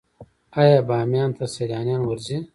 آیا بامیان ته سیلانیان ورځي؟